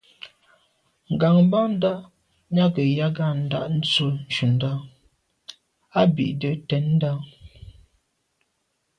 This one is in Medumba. Ŋgàbándá nyâgə̀ ják á ndɑ̌’ ndzwə́ ncúndá á bì’də̌ tɛ̌ndá.